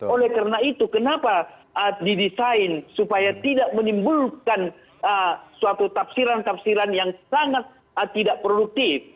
oleh karena itu kenapa didesain supaya tidak menimbulkan suatu tafsiran tafsiran yang sangat tidak produktif